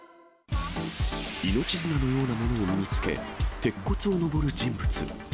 命綱のようなものを身に着け、鉄骨を上る人物。